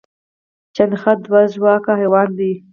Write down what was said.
چنډخه دوه ژواکه حیوان دی